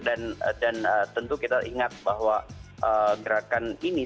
dan tentu kita ingat bahwa gerakan ini